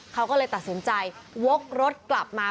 เขาก็เลยตัดสินใจวกรถกลับมา